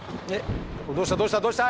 どうしたどうしたどうした？